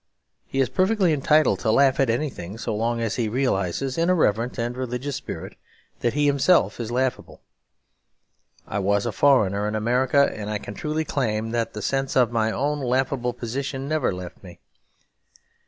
He is perfectly entitled to laugh at anything, so long as he realises, in a reverent and religious spirit, that he himself is laughable. I was a foreigner in America; and I can truly claim that the sense of my own laughable position never left me.